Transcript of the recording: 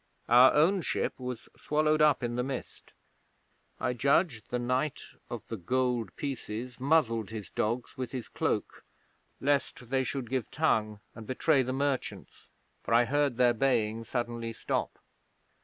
Our own ship was swallowed up in the mist. I judge the Knight of the Gold Pieces muzzled his dogs with his cloak, lest they should give tongue and betray the merchants, for I heard their baying suddenly stop.